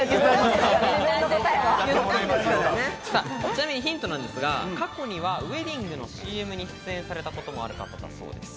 ちなみにヒントなんですが過去にはウェディングのＣＭに出演されたこともある方だそうです。